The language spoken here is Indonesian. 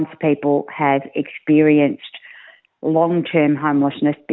setelah orang orang mengalami kelelahan rumah